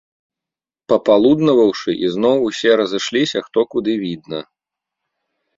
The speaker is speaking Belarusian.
Папалуднаваўшы, ізноў усе разышліся, хто куды відна.